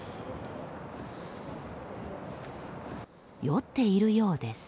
酔っているようです。